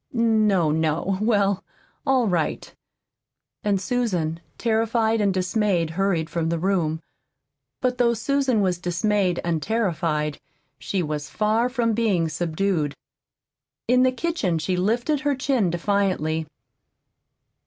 "No, no; well, all right!" And Susan, terrified and dismayed, hurried from the room. But though Susan was dismayed and terrified, she was far from being subdued. In the kitchen she lifted her chin defiantly.